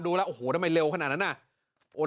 ด้วแล้วโอ้โหทำไมเร็วขนาดนั้น